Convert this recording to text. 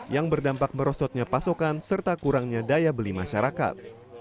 yang berdampak merosotnya pasokan serta kurangnya daya beli masyarakat